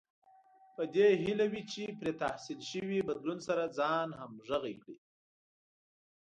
په دې هيله وي چې پرې تحمیل شوي بدلون سره ځان همغږی کړي.